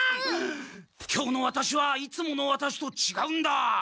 今日のワタシはいつものワタシとちがうんだ。